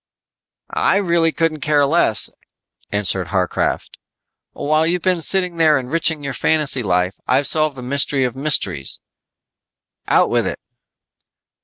"I really couldn't care less," answered Harcraft. "While you've been sitting there enriching your fantasy life, I've solved the mystery of mysteries." "Out with it."